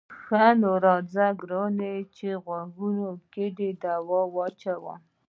ښه نو راځه ګرانه چې غوږو کې دې دوا واچوم.